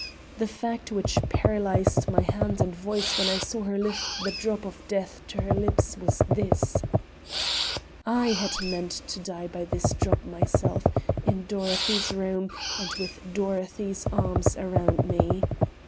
The fact which paralyzed my hand and voice when I saw her lift the drop of death to her lips was this: I had meant to die by this drop myself, in Dorothy's room, and with Dorothy's arms about me.